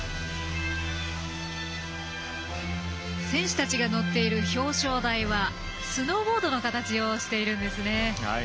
選手たちが乗っている表彰台はスノーボードの形をしているんですね。